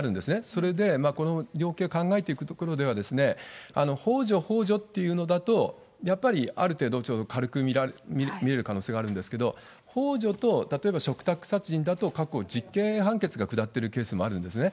それでこの量刑を考えていくところでは、ほう助、ほう助っていうのだと、やっぱりある程度、ちょっと軽く見る可能性があるんですけど、ほう助と例えば嘱託殺人だと過去、実刑判決が下ってる事件もあるんですね。